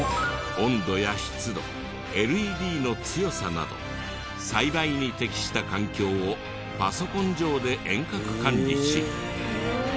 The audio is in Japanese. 温度や湿度ＬＥＤの強さなど栽培に適した環境をパソコン上で遠隔管理し。